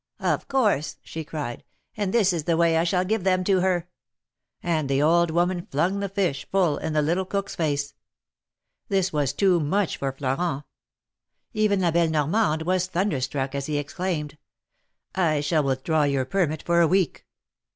Of course," she cried, and this is the way I shall give them to her !" And the old woman flung the fish full in the little cook's face. This was too much for Florent. Even La belle Nor mande w^as thunderstruck as he exclaimed :" I shall withdraw your permit for a week